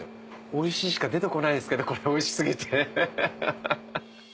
おいしいしか出てこないですけどこれおいし過ぎてハハハ。